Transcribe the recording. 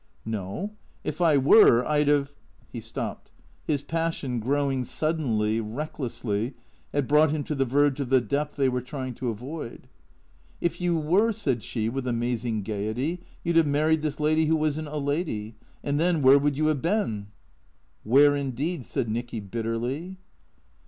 " No. If I were I 'd have " He stopped. His passion, growing suddenly, recklessly, had brought him to the verge of the depth they were trying to avoid. " If you were," said she, with amazing gaiety, " you 'd have married this lady who isn't a lady. And then where would you have been ?"" Where indeed ?" said Nicky bitterly.